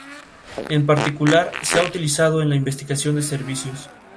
El gobierno argumentó que el proyecto de ley era anticonstitucional, lo que Daly cuestionó.